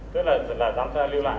tức là giám sát lưu lại